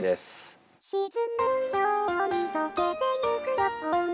「沈むように溶けてゆくように」